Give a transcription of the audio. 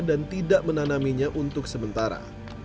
dan tidak menanaminya untuk sementara